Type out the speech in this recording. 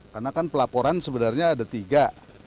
karena kan pelaporan sebenarnya ada tiga